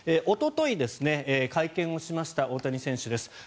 おととい会見をしました大谷選手です。